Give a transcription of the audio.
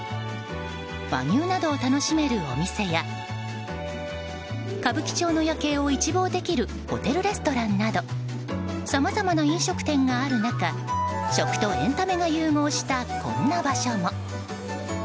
和牛などを楽しめるお店や歌舞伎町の夜景を一望できるホテルレストランなどさまざまな飲食店がある中食とエンタメが融合したこんな場所も。